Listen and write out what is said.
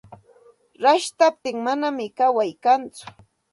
Rashtaptin manam kaway kantsu.